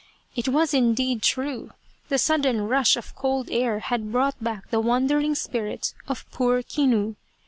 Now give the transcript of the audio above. It was indeed true, the sudden rush of cold air had brought back the wandering spirit of poor Kinu.